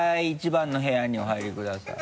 １番の部屋にお入りください。